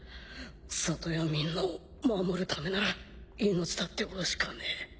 里やみんなを守るためなら命だって惜しかねえ。